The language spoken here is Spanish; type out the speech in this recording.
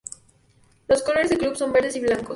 Los colores de club son verdes y blancos.